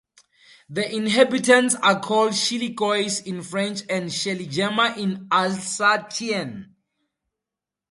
The inhabitants are called "Schilikois" in French and "Scheligemer" in Alsatian.